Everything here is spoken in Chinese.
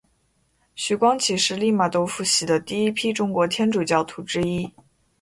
徐光启是利玛窦付洗的第一批中国天主教徒之一。